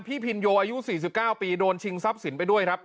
พินโยอายุ๔๙ปีโดนชิงทรัพย์สินไปด้วยครับ